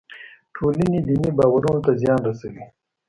ټولنې دیني باورونو ته زیان رسوي.